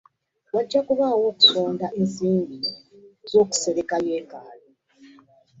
Wajja kubaawo okusonda ensimbi z'okusereka yeekaalu.